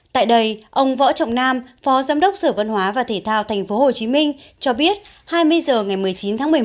tại đây ông võ trọng nam phó giám đốc sở văn hóa và thể thao tp hcm cho biết hai mươi h ngày một mươi chín tháng một mươi một